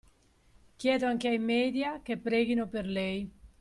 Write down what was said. Chiedo anche ai media che preghino per lei